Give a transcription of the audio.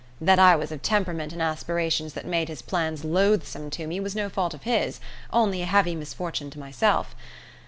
That I was of temperament and aspirations that made his plans loathsome to me was no fault of his only a heavy misfortune to myself.